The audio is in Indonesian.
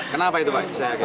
kenapa itu pak